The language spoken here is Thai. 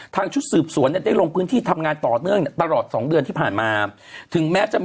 ทางชุดสืบสวนได้ลงพื้นที่ทำงานต่อเนื่องตลอด๒เดือนที่ผ่านมา